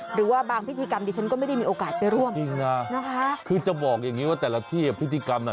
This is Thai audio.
หรือว่าบางพิธีกรรมดิฉันก็ไม่ได้มีโอกาสไปร่วมจริงนะนะคะคือจะบอกอย่างงี้ว่าแต่ละที่อ่ะพิธีกรรมน่ะ